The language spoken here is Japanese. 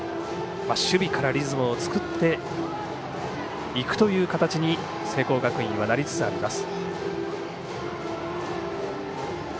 守備からリズムを作っていくという形に聖光学院はなりつつあります。